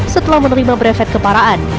setelah menerima brevet keparaan